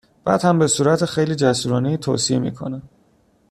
بعد هم به صورت خیلی جسورانهای توصیه میکنه